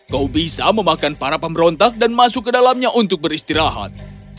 kau bisa memakan para pemberontak dan masuk ke dalamnya untuk beristirahat